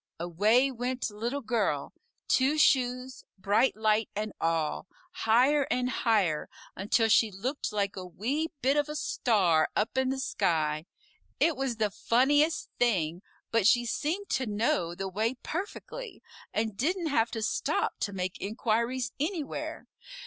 Away went Little Girl Two Shoes, Bright Light, and all higher and higher, until she looked like a wee bit of a star up in the sky. It was the funniest thing, but she seemed to know the way perfectly, and didn't have to stop to make inquiries anywhere.